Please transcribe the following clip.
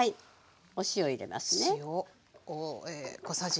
お塩入れますね。